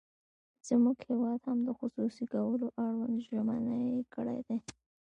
زموږ هېواد هم د خصوصي کولو اړوند ژمنې کړې دي.